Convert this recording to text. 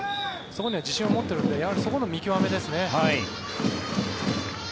そこには自信を持っているのでやはりそこの見極めですね。